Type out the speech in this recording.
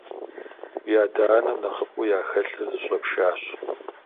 Уи адэ-анэм нэхъыфӀу яхэлъыр зыщӀэпшащ.